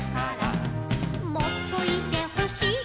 「もっといてほしい」